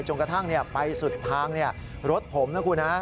จนกระทั่งไปสุดทางรถผมนะครับคุณ